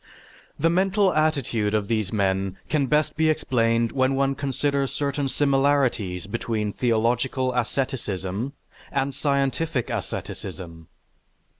The mental attitude of these men can best be explained when one considers certain similarities between theological asceticism and scientific asceticism.